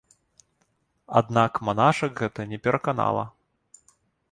Аднак манашак гэта не пераканала.